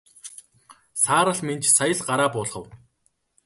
Саарал Минж сая л гараа буулгав.